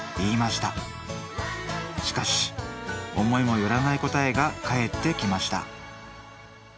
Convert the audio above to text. しかし思いもよらない答えが返ってきました